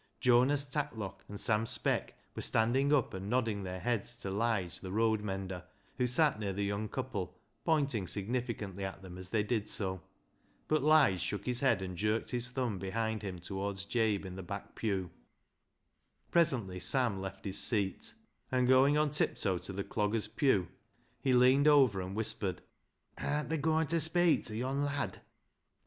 Jonas Tatlock and Sam Speck were standing up and nodding their heads to Lige the road mender, who sat near the young couple, pointing significantly at them as they did so. But Lige shook his head and jerked his thumb behind him towards Jabe in the back pew. Presently Sam left his seat, and going on tiptoe to the dogger's pew, he leaned over and whispered —" Artna goin' ta speik ta yond' lad